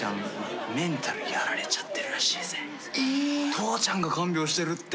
父ちゃんが看病してるって。